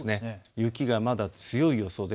雪がまだ強い予想です。